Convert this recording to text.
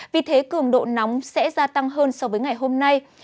vì thế cường độ nóng sẽ gia tăng hơn so với ngày hôm nay